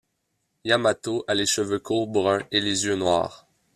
Yamato a les cheveux courts bruns et les yeux noirs.